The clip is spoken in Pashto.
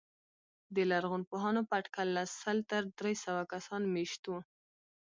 د لرغونپوهانو په اټکل له سل تر درې سوه کسان مېشت وو.